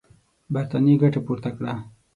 برټانیې ګټه پورته کړه.